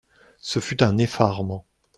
Ce fut un effarement.